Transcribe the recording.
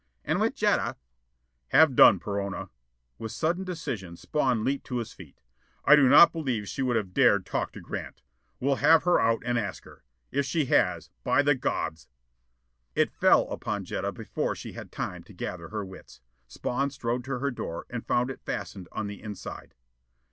"And with Jetta " "Have done, Perona!" With sudden decision Spawn leaped to his feet. "I do not believe she would have dared talk to Grant. We'll have her out and ask her. If she has, by the gods " It fell upon Jetta before she had time to gather her wits. Spawn strode to her door, and found it fastened on the inside.